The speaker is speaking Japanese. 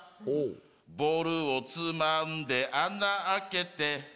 ボールをつまんで穴開けて